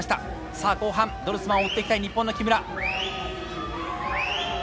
さあ後半ドルスマンを追っていきたい日本の木村。